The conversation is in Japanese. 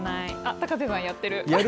高瀬さんやってる。